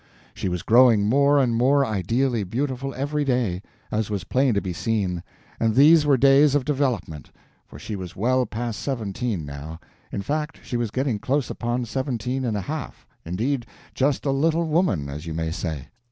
she was growing more and more ideally beautiful every day, as was plain to be seen—and these were days of development; for she was well past seventeen now—in fact, she was getting close upon seventeen and a half—indeed, just a little woman, as you may say.